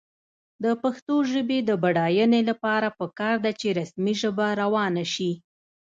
د پښتو ژبې د بډاینې لپاره پکار ده چې رسمي ژبه روانه شي.